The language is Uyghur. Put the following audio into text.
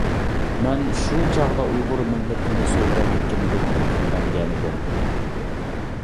مەن شۇ چاغدا ئۇيغۇر مىللىتىنى سۆيگەنلىكىمدىن پەخىرلەنگەنىدىم.